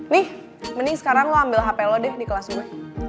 nih mending sekarang lo ambil hp lo deh di kelas gue